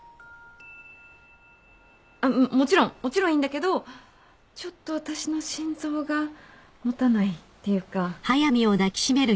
あっもちろんもちろんいいんだけどちょっと私の心臓が持たないっていうか。